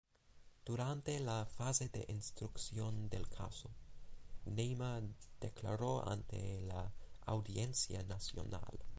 Durante la fase de instrucción del caso, Neymar declaró ante la Audiencia Nacional.